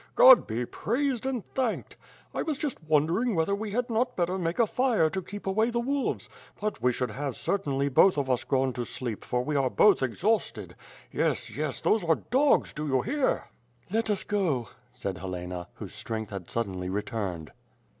God be praised and thanked! I was just wondering whether we had not better make a fire to keep away the wolves; but we should have certainly both of us gone to sleep for we were both exhausted. Yes, yes, those are dogs, do you hear?" "Let us go," said Helena, whose strength had suddenly returned.